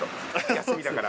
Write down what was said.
休みだから。